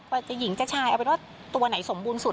จะหญิงจะชายเอาเป็นว่าตัวไหนสมบูรณ์สุด